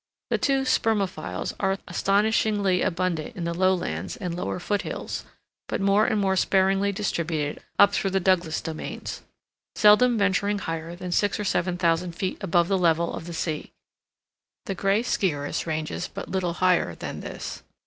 The two spermophiles are astonishingly abundant in the lowlands and lower foot hills, but more and more sparingly distributed up through the Douglas domains,—seldom venturing higher than six or seven thousand feet above the level of the sea. The gray sciurus ranges but little higher than this.